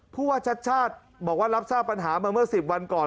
ผู้ว่าชัดชาติบอกว่ารับทราบปัญหามาเมื่อ๑๐วันก่อน